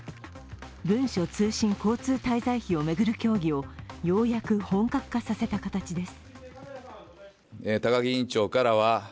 文書通信交通滞在費を巡る協議をようやく本格化させた形です。